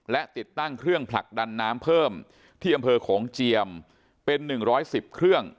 และติดตั้งเครื่องผลักดันน้ำเพิ่มที่อำเภอโขงเจียมเป็น๑๑๐เครื่อง